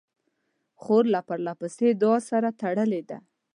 خور له پرله پسې دعا سره تړلې ده.